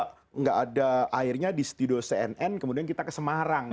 tidak ada airnya di studio cnn kemudian kita ke semarang